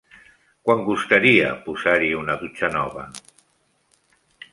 Quant costaria posar-hi una dutxa nova?